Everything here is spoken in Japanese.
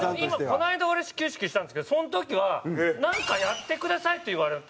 この間俺始球式したんですけどその時は「なんかやってください」って言われた。